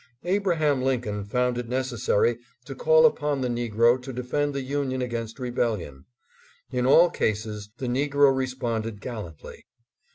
Abra ham Lincoln found it necessary to call upon the negro to defend the Union against rebellion. In all cases the negro responded gallantly.